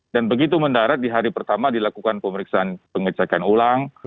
dan begitu mendarat di hari pertama dilakukan pemeriksaan pengecekan ulang